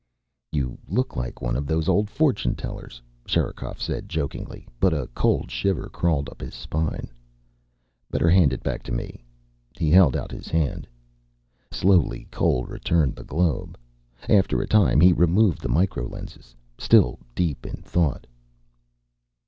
"You look like one of those old fortune tellers," Sherikov said jokingly, but a cold shiver crawled up his spine. "Better hand it back to me." He held out his hand. Slowly, Cole returned the globe. After a time he removed the micro lenses, still deep in thought.